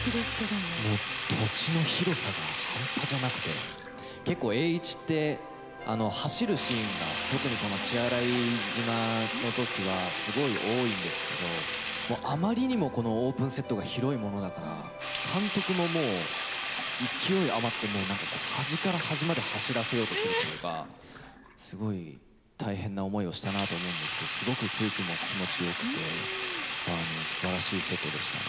もう土地の広さが半端じゃなくて結構栄一って走るシーンが特にこの血洗島の時はすごい多いんですけどもうあまりにもこのオープンセットが広いものだから監督ももう勢い余ってもう何か端から端まで走らせようとするというかすごい大変な思いをしたなと思うんですけどすごく空気も気持ちよくてすばらしいセットでしたね。